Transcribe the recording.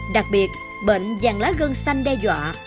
đặc biệt bệnh vàng lá gân xanh đe dọa